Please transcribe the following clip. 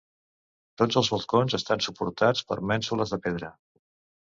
Tots els balcons estan suportats per mènsules de pedra.